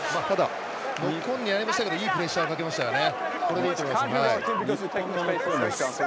ノックオンになりましたけどいいプレッシャーかけましたね。